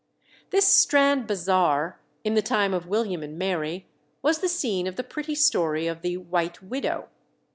This Strand Bazaar, in the time of William and Mary, was the scene of the pretty story of the "White Widow."